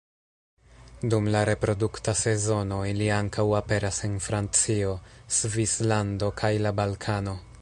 Dum la reprodukta sezono ili ankaŭ aperas en Francio, Svislando kaj la Balkano.